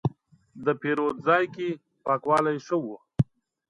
د پیرود ځای کې پاکوالی ښه و.